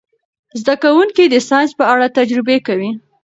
زده کوونکي د ساینس په اړه تجربې کوي.